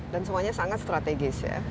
dan semuanya sangat strategis ya